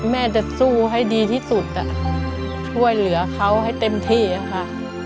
แม่จะสู้ให้ดีที่สุดช่วยเหลือเขาให้เต็มที่ค่ะ